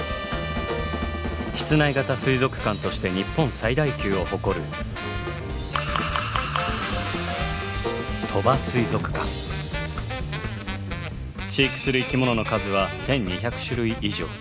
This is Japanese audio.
室内型水族館として日本最大級を誇る飼育する生き物の数は１，２００種類以上。